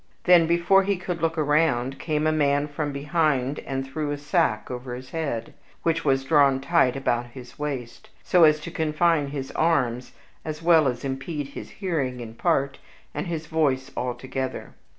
Then, before he could look round, came a man from behind and threw a sack over his head, which was drawn tight about his waist, so as to confine his arms, as well as to impede his hearing in part, and his voice altogether.